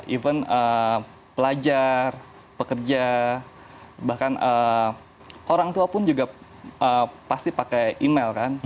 even pelajar pekerja bahkan orang tua pun juga pasti pakai email kan